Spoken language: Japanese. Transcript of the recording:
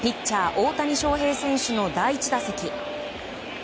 大谷翔平選手の第１打席。